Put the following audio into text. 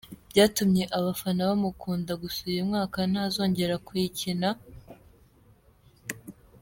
Byatumye abafana bamukunda gusa uyu mwaka ntazongera kuyikina.